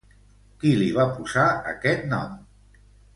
Qui li va posar aquest nom?